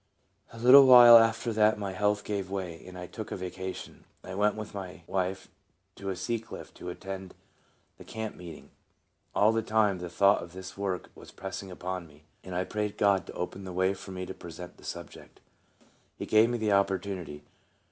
A little while after that my health gave way, and I took a vacation. I went with my wife to Sea Cliff to attend the camp meeting. All the time the thought of this work was pressing upon me, and I prayed God to open the way for me to present the subject. He gave me the opportunity.